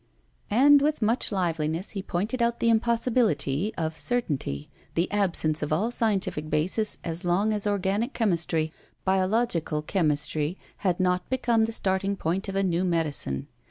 And, with much liveliness, he pointed out the impossibility of certainty, the absence of all scientific basis as long as organic chemistry, biological chemistry had not become the starting point of a new medicine.